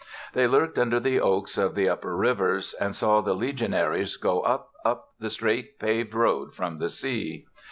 They lurked under the oaks of the upper rivers, and saw the legionaries go up, up the straight paved road from the sea.